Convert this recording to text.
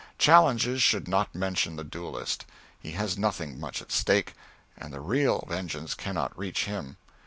Challenges should not mention the duellist; he has nothing much at stake, and the real vengeance cannot reach him.